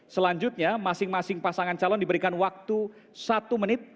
selanjutnya masing masing pasangan calon diberikan waktu satu menit